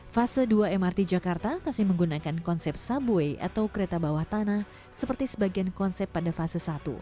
fase dua mrt jakarta masih menggunakan konsep subway atau kereta bawah tanah seperti sebagian konsep pada fase satu